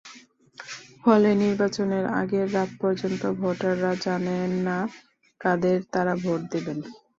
ফলে নির্বাচনের আগের রাত পর্যন্তও ভোটাররা জানেন না, কাদের তাঁরা ভোট দেবেন।